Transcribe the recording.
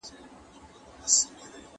يوه مور خرڅوله، بل په پور غوښتله.